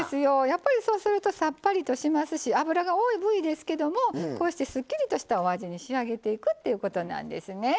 やっぱりそうするとさっぱりとしますし脂が多い部位ですけどもこうしてすっきりとしたお味に仕上げていくっていうことなんですね。